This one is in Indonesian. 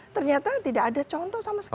ternyata tidak ada contoh sama sekali